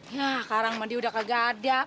ya sekarang dia udah kegadak